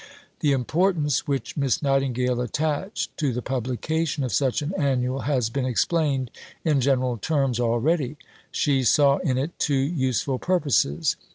The importance which Miss Nightingale attached to the publication of such an annual has been explained in general terms already (p. 145). She saw in it two useful purposes.